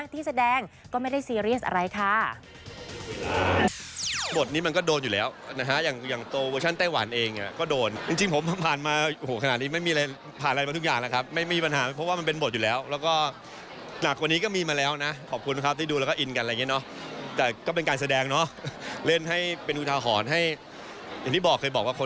ที่แสดงก็ไม่ได้ซีเรียสอะไรค่ะ